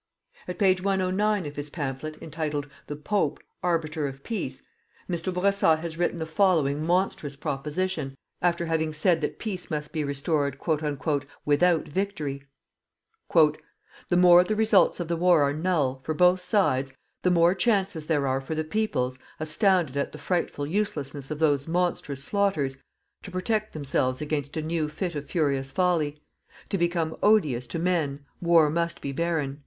At page 109 of his pamphlet entitled: "The Pope, arbiter of peace," Mr. Bourassa has written the following monstrous proposition, after having said that peace must be restored "without victory": "_The more the results of the war are null, for both sides, the more chances there are for the peoples, astounded at the frightful uselessness of those monstrous slaughters, to protect themselves against a new fit of furious folly. To become odious to men, war must be barren.